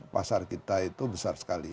pasar kita itu besar sekali